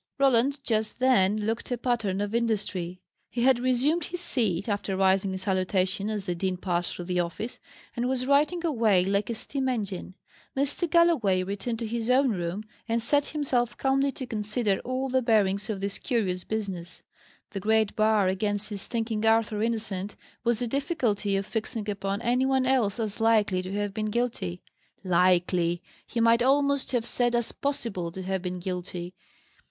Roland just then looked a pattern of industry. He had resumed his seat, after rising in salutation as the dean passed through the office, and was writing away like a steam engine. Mr. Galloway returned to his own room, and set himself calmly to consider all the bearings of this curious business. The great bar against his thinking Arthur innocent, was the difficulty of fixing upon any one else as likely to have been guilty. Likely! he might almost have said as possible to have been guilty.